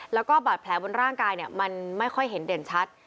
แล้วก็บาดแผลบนร่างกายมันไม่ค่อยเห็นเด่นชัด